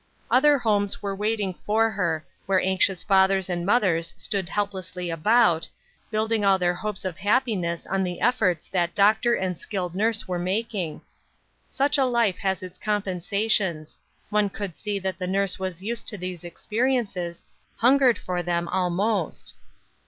Other homes were waiting for her, where anxious mothers and fathers stood helplessly about, build ing all their hopes of happiness on the efforts that doctor and skilled nurse were making. Such a life has its compensations ; one could see that the nurse was used to these experiences, hungered for them almost.